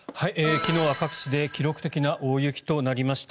昨日は各地で記録的な大雪となりました。